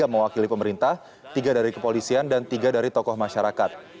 tiga mewakili pemerintah tiga dari kepolisian dan tiga dari tokoh masyarakat